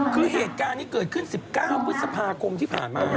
คือเหตุการณ์นี้เกิดขึ้น๑๙พฤษภาคมที่ผ่านมา